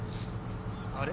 あれ？